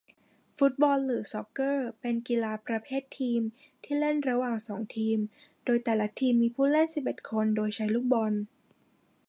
ฟุตบอล หรือ ซอกเกอร์ เป็นกีฬาประเภททีมที่เล่นระหว่างสองทีมโดยแต่ละทีมมีผู้เล่นสิบเอ็ดคน โดยใช้ลูกบอล